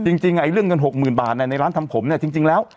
จริงเรื่องเงินหกหมื่นบาทในร้านทำผมเนี่ยจริงแล้ว